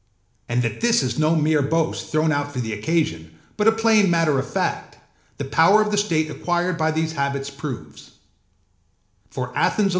And that this is no mere boast thrown out for the occasion, but plain matter of fact, the power of the state acquired by these habits proves.